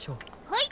はい。